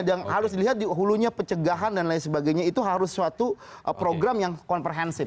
dan harus dilihat di hulunya pencegahan dan lain sebagainya itu harus suatu program yang comprehensive